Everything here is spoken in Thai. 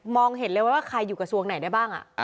เห็นเลยว่าใครอยู่กระทรวงไหนได้บ้าง